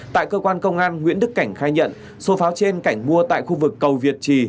tại cơ quan công an nguyễn đức cảnh khai nhận số pháo trên cảnh mua tại khu vực cầu việt trì